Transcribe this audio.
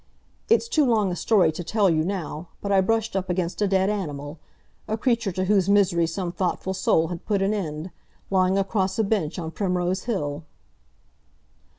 It's too long a story to tell you now, but I brushed up against a dead animal, a creature to whose misery some thoughtful soul had put an end, lying across a bench on Primrose Hill."